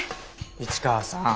市川さん